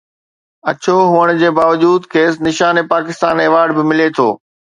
اڇو هئڻ جي باوجود کيس نشان پاڪستان ايوارڊ به ملي ٿو